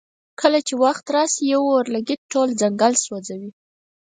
کله چې وخت راشي یو اورلګیت ټول ځنګل سوځوي.